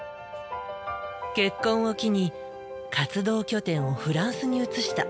結婚を機に活動拠点をフランスに移した。